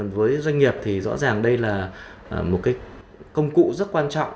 với doanh nghiệp thì rõ ràng đây là một cái công cụ rất quan trọng